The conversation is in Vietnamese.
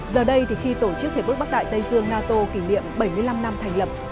giờ đây thì khi tổ chức hiệp ước bắc đại tây dương nato kỷ niệm bảy mươi năm năm thành lập